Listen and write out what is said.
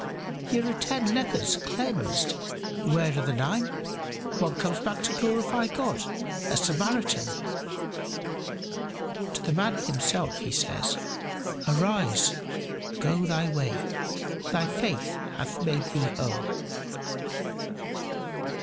here are ten lepers cleansed: where are the nine? One comes back to glorify God a Samaritan!" To the man himself he says, "Arise, go thy way; thy faith hath made thee whole."